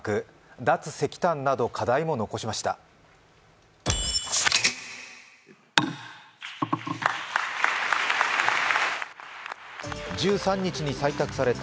脱石炭など課題も残しました。